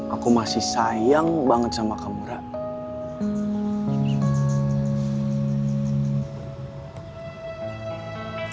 aku masih sayang banget sama kamu rara